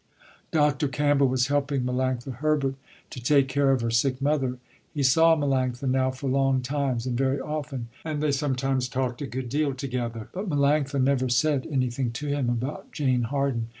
Dr. Campbell was helping Melanctha Herbert to take care of her sick mother. He saw Melanctha now for long times and very often, and they sometimes talked a good deal together, but Melanctha never said anything to him about Jane Harden.